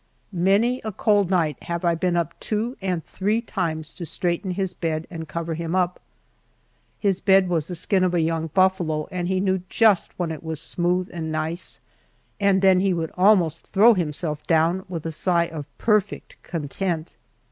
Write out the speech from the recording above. Many a cold night have I been up two and three times to straighten his bed and cover him up. His bed was the skin of a young buffalo, and he knew just when it was smooth and nice, and then he would almost throw himself down, with a sigh of perfect content.